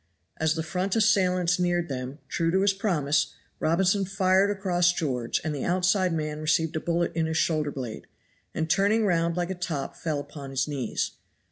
As the front assailants neared them, true to his promise, Robinson fired across George, and the outside man received a bullet in his shoulder blade, and turning round like a top fell upon his knees.